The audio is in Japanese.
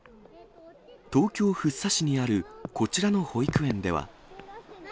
東京・福生市にあるこちらの保育園では。